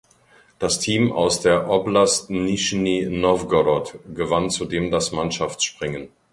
Das Team aus der Oblast Nischni Nowgorod gewann zudem das Mannschaftsspringen.